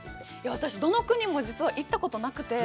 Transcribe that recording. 私、どの国も行ったことがなくて。